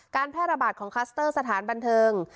แพร่ระบาดของคลัสเตอร์สถานบันเทิง